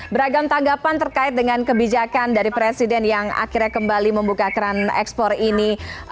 beragam tanggapan terkait dengan kebijakan dari presiden yang akhirnya kembali membuka keran ekspor ini